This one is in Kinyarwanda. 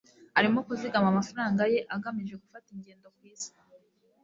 arimo kuzigama amafaranga ye agamije gufata ingendo ku isi